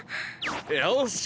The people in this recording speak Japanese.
よし！